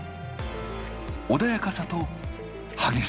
穏やかさと激しさ。